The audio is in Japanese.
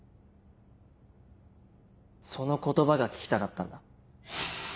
その言葉が聞きたかったんだ。